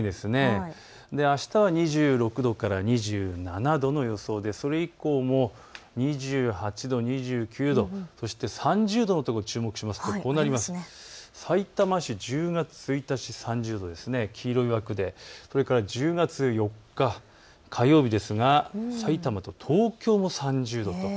あしたは２６度から２７度の予想でそれ以降も２８度、２９度、そして３０度のところを注目しますとさいたま市１０月１日、それから１０月４日火曜日ですがさいたまと東京も３０度。